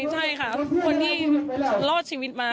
ใช่ค่ะคนที่รอดชีวิตมา